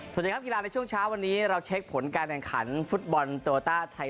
สวัสดีครับกีฬาในช่วงเช้าวันนี้เราเช็คผลการแข่งขันฟุตบอลโตต้าไทย